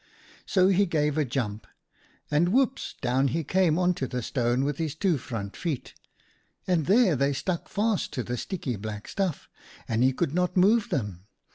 So he gave a jump, and — woops !— down he came on to the stone with his two front feet, and there they stuck fast to the sticky black stuff, and he could not move them.